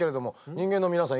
人間の皆さん